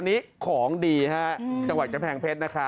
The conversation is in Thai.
แล้วเดี๋ยวครึ่งชั่วโมง